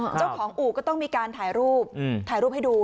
เจ้าของอู่ก็ต้องมีการถ่ายรูปถ่ายรูปให้ดู